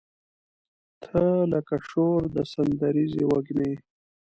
تۀ لکه شور د سندریزې وږمې